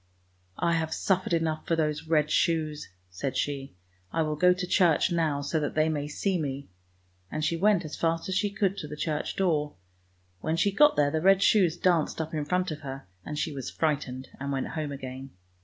" I have suffered enough for those red shoes! " said she. " I will go to church now, so that they may see me! " and she went as fast as she could to the church door. When she got there, the red shoes danced up in front of her, and she was frightened and went home again.